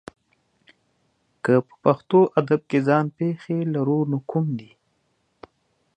که په پښتو ادب کې ځان پېښې لرو نو کوم دي؟